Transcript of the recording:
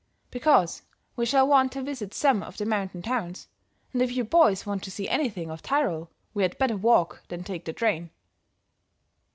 "Because we shall want to visit some of the mountain towns; and if you boys want to see anything of Tyrol we had better walk than take the train."